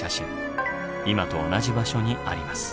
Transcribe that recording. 今と同じ場所にあります。